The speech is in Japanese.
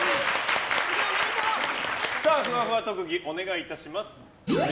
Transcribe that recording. ふわふわ特技をお願いいたします。